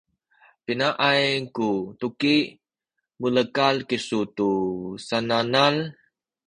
pinaay ku tuki mulekal kisu tu sananal?